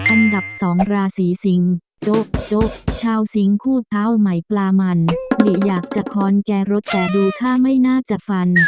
อันดับ๒ราศีสิงโจ๊ะโจ๊ชาวสิงคู่เท้าใหม่ปลามันหลีอยากจะคอนแก่รถแต่ดูท่าไม่น่าจะฟัน